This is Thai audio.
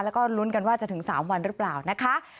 แล้วก็ลุ้นกันว่าจะถึง๓วันหรือเปล่านะคะ